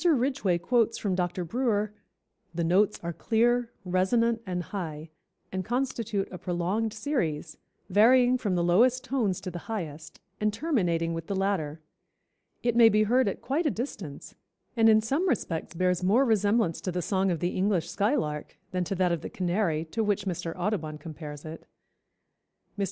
Ridgway quotes from Dr. Brewer: "The notes are clear, resonant and high, and constitute a prolonged series, varying from the lowest tones to the highest, and terminating with the latter. It may be heard at quite a distance, and in some respects bears more resemblance to the song of the English skylark than to that of the canary, to which Mr. Audubon compares it." Mr.